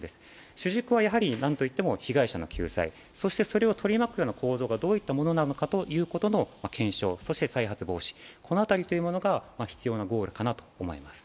主軸は何といっても被害者の救済、それを取り巻くものがどういったものかという検証、そして再発防止、この辺りが必要なゴールかなと思います。